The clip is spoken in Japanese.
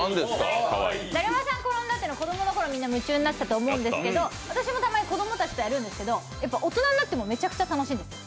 だるまさんがころんだというのは子供の頃、皆さん、楽しんだと思うんですけど私もたまに子供たちとやるんですけどやっぱり大人になってもめちゃくちゃ楽しいんです。